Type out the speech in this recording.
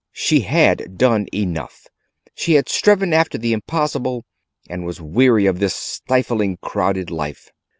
She had done enough; she had striven after the impossible, and was weary of this stifling crowded life.